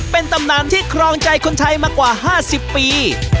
เป็นตำนานที่ครองใจคนไทยมากว่า๕๐ปี